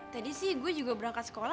tadi sih gue juga berangkat sekolah